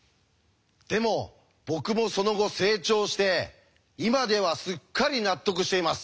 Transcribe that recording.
でも僕もその後成長して今ではすっかり納得しています。